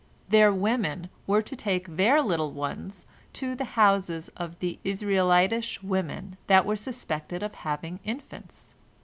Their women were to take their little ones to the houses of the Israelitish women that were suspected of having infants.